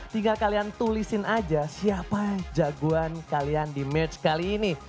tinggal kalian tulisin aja siapa jagoan kalian di match kali ini